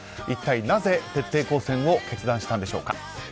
一体なぜ徹底抗戦を決断したんでしょうか。